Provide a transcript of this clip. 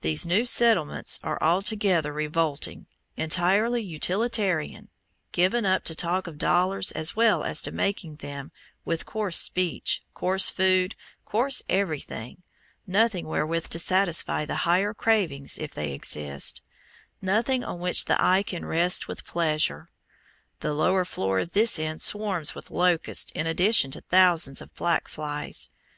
These new settlements are altogether revolting, entirely utilitarian, given up to talk of dollars as well as to making them, with coarse speech, coarse food, coarse everything, nothing wherewith to satisfy the higher cravings if they exist, nothing on which the eye can rest with pleasure. The lower floor of this inn swarms with locusts in addition to thousands of black flies.